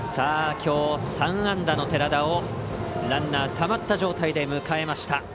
きょう、３安打の寺田をランナーたまった状態で迎えました。